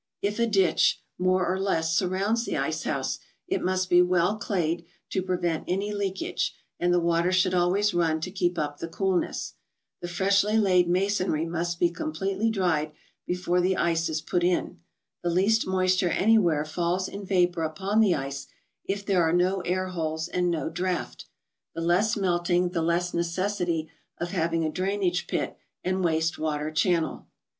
If a ditch, more or less, surrounds the ice house, it must be well clayed to prevent any leakage, and the water should always run to keep up the coolness. The freshly laid masonry must be completely dried before the ice is put in. The least moisture anywhere falls in vapor upon the ice, if there are no air holes and no draft. The less melting, the less ne¬ cessity of having a drainage pit and waste water channel.